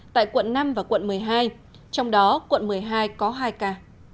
tại quận năm và quận một mươi hai trong đó quận một mươi hai có hai ca